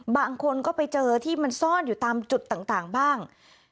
บางคนก็ไปเจอที่มันซ่อนอยู่ตามจุดต่างบ้าง